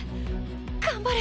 頑張れ！